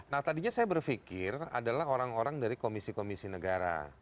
nah tadinya saya berpikir adalah orang orang dari komisi komisi negara